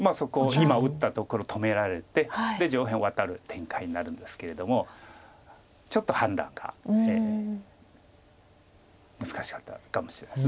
今打ったところ止められて上辺ワタる展開になるんですけれどもちょっと判断が難しかったかもしれないです。